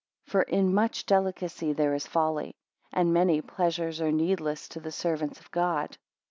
5 For in much delicacy there is folly; and many pleasures are needless to the servants of God.